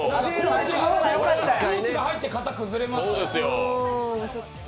コーチが入って型が崩れましたよ。